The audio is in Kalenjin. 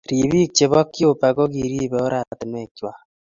Ribik chebo Cuba kokiribe oratunwek chwak